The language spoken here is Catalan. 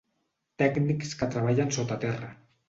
Tècnics que treballen sota terra.